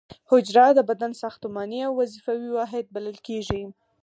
حجره د بدن ساختماني او وظیفوي واحد بلل کیږي